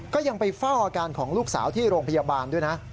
ก็ยังไปเฝ้าอาการของลูกสาวที่โรงพยาบาลด้วยนะ